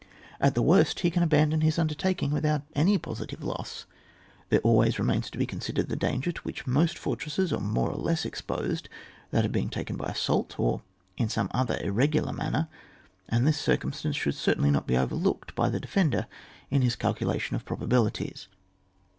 At the worst he can abandon his undertaking without any positive loss. There always remains to be considered the danger to which most fortresses are more or less exposed, that of being taken by assault, or in some other irregular manner, and this circumstance should certainly not be overlooked by the de fender in his calculation of probabilities.